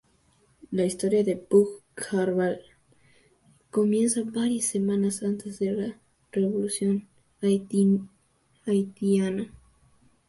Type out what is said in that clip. La historia de Bug-Jargal comienza varias semanas antes de la Revolución haitiana.